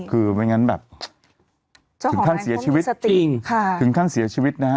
คือไม่งั้นแบบจ้องของมันคงมีสติกจริงค่ะถึงขั้นเสียชีวิตนะฮะ